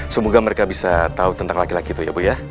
semoga mereka bisa tahu tentang laki laki itu ya bu ya